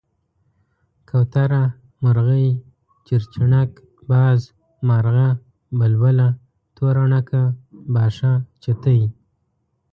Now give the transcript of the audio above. کوتره، مرغۍ، چيرچيڼک، باز، مارغه ،بلبله، توره ڼکه، باښه، چتی،